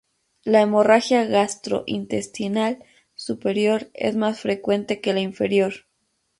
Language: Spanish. La hemorragia gastrointestinal superior es más frecuente que la inferior.